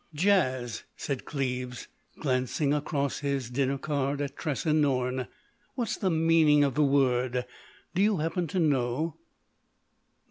"Jazz," said Cleves, glancing across his dinner card at Tressa Norne—"what's the meaning of the word? Do you happen to know?"